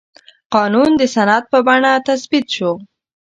قانون د سند په بڼه تثبیت شو.